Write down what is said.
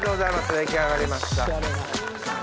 出来上がりました。